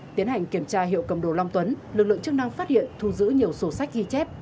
tiến hành kiểm tra hiệu cầm đồ long tuấn lực lượng chức năng phát hiện thu giữ nhiều sổ sách ghi chép